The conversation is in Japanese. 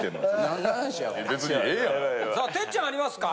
さあ哲ちゃんありますか？